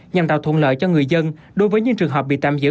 nhằm tạo thuận lợi cho người dân đối với những trường hợp bị tạm giữ